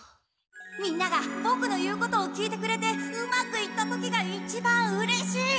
みんながボクの言うことを聞いてくれてうまくいった時が一番うれしい！